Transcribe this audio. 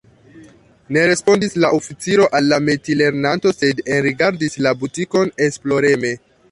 Ne respondis la oficiro al la metilernanto, sed enrigardis la butikon esploreme.